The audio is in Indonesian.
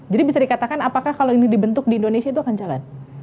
jadi bisa dikatakan apakah kalau ini dibentuk di indonesia itu akan jalan